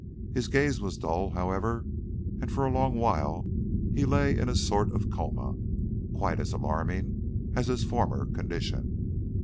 His gaze was dull, however, and for a long while he lay in a sort of coma, quite as alarming as his former condition.